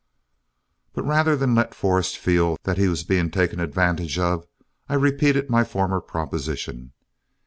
But rather than let Forrest feel that he was being taken advantage of, I repeated my former proposition.